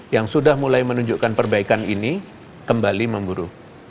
yang sudah mulai menunjukkan perbaikan ini kembali memburuk